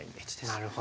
なるほど。